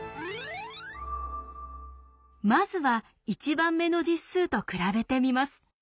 まずは１番目の実数と比べてみます。